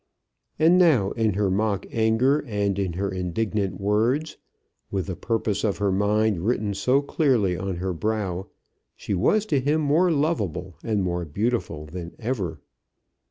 And now, in her mock anger and in her indignant words, with the purpose of her mind written so clearly on her brow, she was to him more lovable and more beautiful than ever.